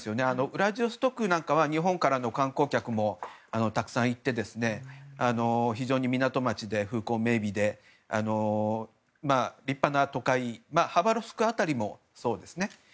ウラジオストクなんかは日本からの観光客もたくさん行って非常に港町で風光明媚で立派な都会ハバロフスク辺りもそうですね。